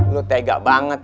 lu tega banget